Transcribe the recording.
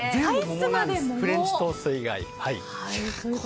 フレンチトースト以外。